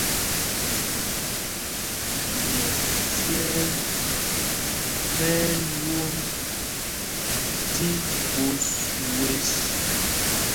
Mɛsyɛɛ mɛ́ ɛ́ lwōnd tí ɓos wes.